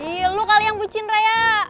iya lu kali yang bucin raya